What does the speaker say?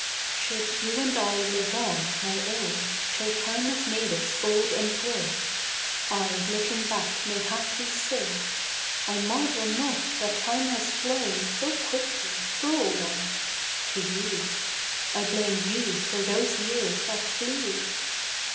SHOULD you and I live on, my own, Till Time has made us old and grey, I, looking back, may haply say, " I marvel not that Time has flown So quickly ! Cruel one !" (to you)^ " I blame you for those years that flew